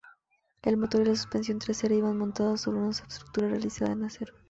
El motor y la suspensión trasera iban montados sobre una subestructura realizada en acero.